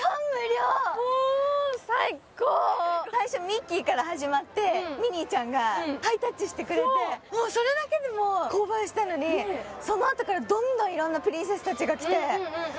最初ミッキーから始まってミニーちゃんがハイタッチしてくれてもうそれだけでもう興奮したのにそのあとからうんうんうんうんうん